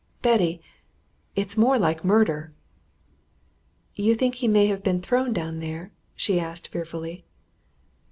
Betty! it's more like murder!" "You think he may have been thrown down there?" she asked fearfully.